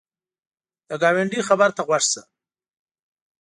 د ګاونډي خبر ته غوږ شه